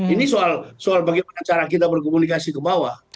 ini soal bagaimana cara kita berkomunikasi ke bawah